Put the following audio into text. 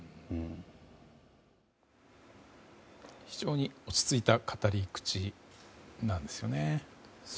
非常に落ち着いた語り口なんですよね。